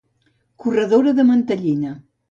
Corredora de mantellina.